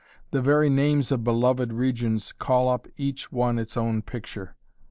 The very names of beloved regions call up each one its own picture.